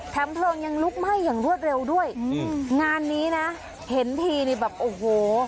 เพลิงยังลุกไหม้อย่างรวดเร็วด้วยอืมงานนี้นะเห็นทีนี่แบบโอ้โห